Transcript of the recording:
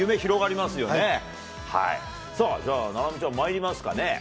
では、菜波ちゃん、まいりますかね。